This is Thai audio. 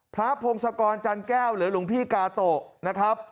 พงศกรจันแก้วหรือหลวงพี่กาโตะนะครับ